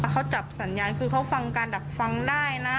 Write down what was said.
เขาจับสัญญาณคือเขาฟังการดักฟังได้นะ